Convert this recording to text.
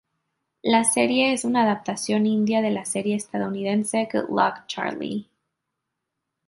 La serie es una adaptación india de la serie estadounidense Good Luck Charlie.